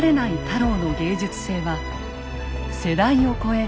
太郎の芸術性は世代を超え